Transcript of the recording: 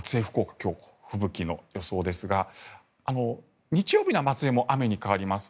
今日、吹雪の予想ですが日曜日は松江も雨に変わります。